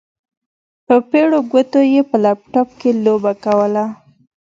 په پېړو ګوتو يې په لپټاپ کې لوبه کوله.